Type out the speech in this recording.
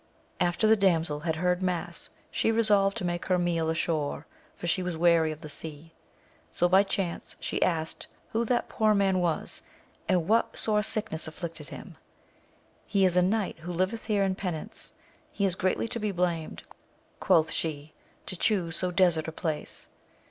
After the damsel had heard mass, she resolved to make her meal ashore, for she was weary of the sea. So by chance she asked who that poor man was, and what sore sickness afficted him. — He is a knight, who liveth here in penance. He is greatly to be blamed, quoth she, to chuse so desert a place.